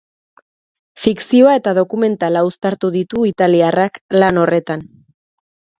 Fikzioa eta dokumentala uztartu ditu italiarrak lan horretan.